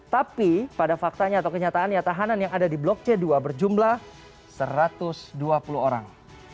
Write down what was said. tapi pada faktanya atau kenyataannya tahanan yang ada di blok c dua berjumlah satu ratus dua puluh orang